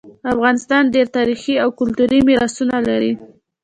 افغانستان ډیر تاریخي او کلتوری میراثونه لري